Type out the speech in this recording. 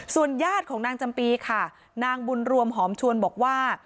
ญาติของนางจำปีค่ะนางบุญรวมหอมชวนบอกว่า